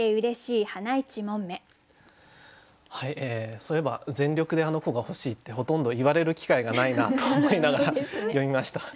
そういえば全力であの子が欲しいってほとんど言われる機会がないなと思いながら読みました。